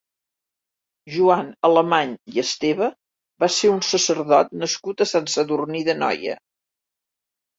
Joan Alemany i Esteve va ser un sacerdot nascut a Sant Sadurní d'Anoia.